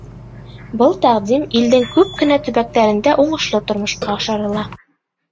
Был тәҡдим илдең күп кенә төбәктәрендә уңышлы тормошҡа ашырыла.